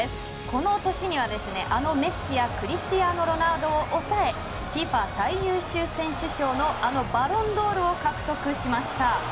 この年には、あのメッシやクリスティアーノ・ロナウドを抑えＦＩＦＡ最優秀選手賞のバロンドールを獲得しました。